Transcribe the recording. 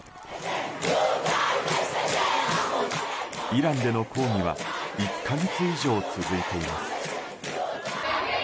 イランでの抗議は１か月以上続いています。